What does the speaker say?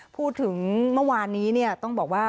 พูดถึงเมื่อวานนี้ต้องบอกว่า